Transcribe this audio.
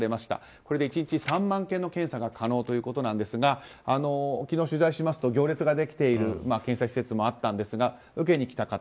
これで１日３万件の検査が可能ということですが昨日取材しますと行列ができている検査施設もあったんですが、受けに来た方。